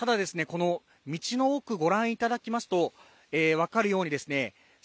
この道の奥ご覧いただきますと分かるようにですね